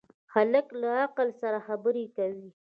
هلک له عقل سره خبرې کوي.